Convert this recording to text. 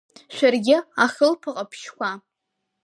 Шәаргьы, ахылԥа ҟаԥшьқәа!